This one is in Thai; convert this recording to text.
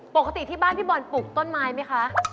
ปกติที่บ้านพี่บอลปลูกต้นไม้ไหมคะ